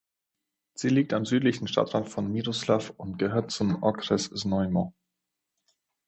Sie liegt am südlichen Stadtrand von Miroslav und gehört zum Okres Znojmo.